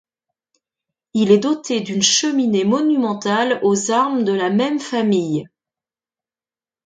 Il est doté d’une cheminée monumentale aux armes de la même famille.